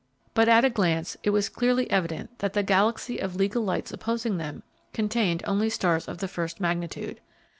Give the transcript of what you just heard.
But at a glance it was clearly evident that the galaxy of legal lights opposing them contained only stars of the first magnitude.